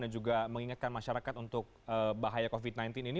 dan juga mengingatkan masyarakat untuk bahaya covid sembilan belas ini